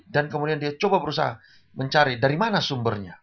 dan kemudian dia coba berusaha mencari dari mana sumbernya